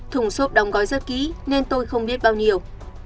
thùng xốp đóng gói rất kỹ nên tôi không biết bao nhiêu